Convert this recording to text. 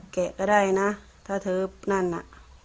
แกะก็ได้นะถ้าเธอนั่นน่ะ